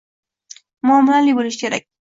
Muomalali bo'lish kerak